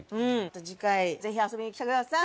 次回ぜひ遊びにきてください。